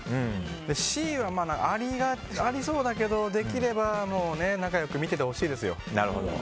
Ｃはありそうだけどできれば仲良く見ててほしいですよ。